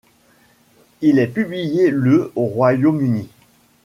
Il est publié le au Royaume-Uni.